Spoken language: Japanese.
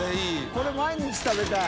これ毎日食べたい。